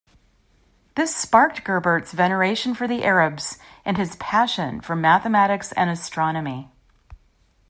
This sparked Gerbert's veneration for the Arabs and his passion for mathematics and astronomy.